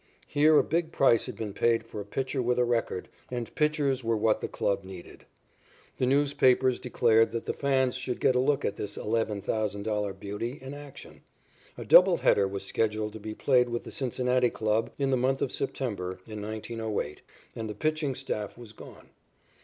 Here a big price had been paid for a pitcher with a record, and pitchers were what the club needed. The newspapers declared that the fans should get a look at this "$11,000 beauty" in action. A double header was scheduled to be played with the Cincinnati club in the month of September, in 1908, and the pitching staff was gone.